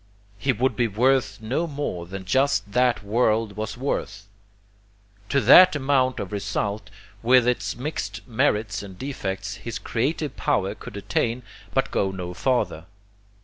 He would be worth no more than just that world was worth. To that amount of result, with its mixed merits and defects, his creative power could attain, but go no farther.